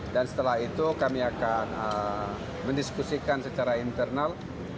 dan setelah itu kami akan mendiskusikan secara internal